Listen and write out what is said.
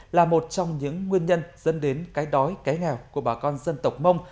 là một trong những nguyên nhân dẫn đến cái đói cái nghèo của bà con dân tộc mông